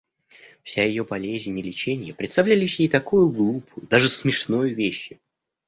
Вся ее болезнь и леченье представлялись ей такою глупою, даже смешною вещью!